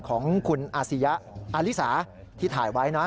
ของคุณอาซียะอาริสาที่ถ่ายไว้นะ